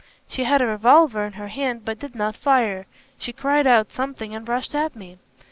She had a revolver in her hand but did not fire. She cried out something and rushed at me.